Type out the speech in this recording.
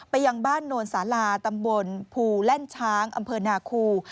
ยังบ้านโนนสาลาตำบลภูแล่นช้างอำเภอนาคู